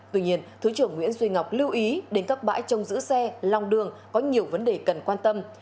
tuy nhiên thứ trưởng nguyễn duy ngọc lưu ý đến các bãi trong giữ xe lòng đường có nhiều vấn đề cần quan tâm